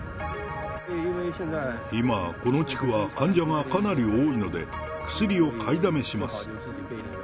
今、この地区は患者がかなり多いので、薬を買いだめします。